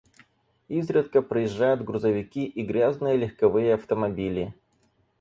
Изредка проезжают грузовики и грязные легковые автомобили.